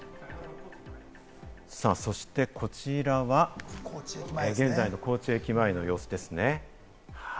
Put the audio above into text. そしてこちらは、現在の高知駅前の様子ですね。